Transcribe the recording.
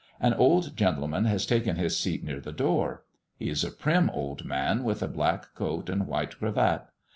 An old gentleman has taken his seat near the door; he is a prim old man, with a black coat and a white cravat.